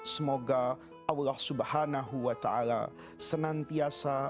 semoga allah swt senantiasa